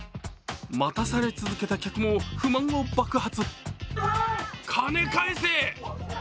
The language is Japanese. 待たされ続けた客も不満を爆発。